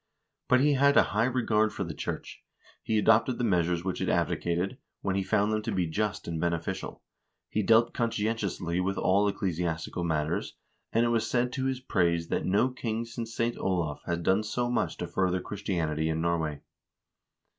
But he had a high regard for the church. He adopted the measures which it advocated, when he found them to be just and beneficial; he dealt conscientiously with all ecclesiastical matters, and it was said to his praise that no king since St. Olav had done so much to further Christianity in Norway.